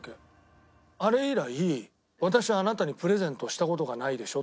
「あれ以来私はあなたにプレゼントした事がないでしょ？」